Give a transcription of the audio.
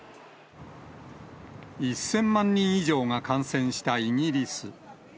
１０００万人以上が感染したイギリス。